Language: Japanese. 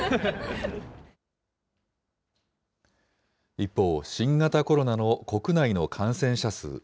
一方、新型コロナの国内の感染者数。